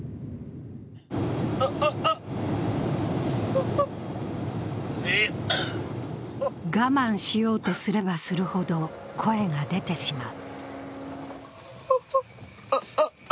あっあっあっ我慢しようとすればするほど声が出てしまう。